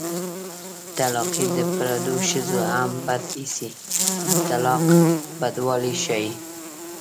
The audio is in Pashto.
طلاقي د پردو ښځو هم بد ايسي د طلاق بدوالی ښيي